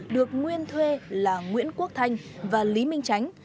được nguyên thuê là nguyễn quốc thanh và lý minh tránh